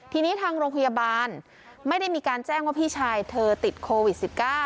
ทีนี้ทางโรงพยาบาลไม่ได้มีการแจ้งว่าพี่ชายเธอติดโควิด๑๙